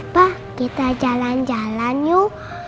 pak kita jalan jalan yuk